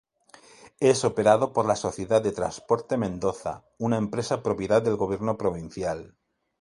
Es operado por la Sociedad de Transporte Mendoza, una empresa propiedad del gobierno provincial.